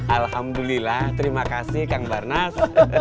alhamdulillah terima kasih kang bar nas